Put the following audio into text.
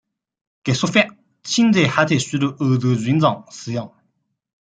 该说法现在还在许多欧洲语言中使用。